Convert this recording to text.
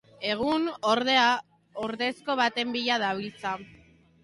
Egun, ordea, ordezko baten bila dabiltza.